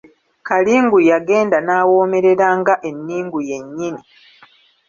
Kalingu yagenda n’awoomerera nga enningu yennyini.